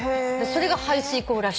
それが排水溝らしい。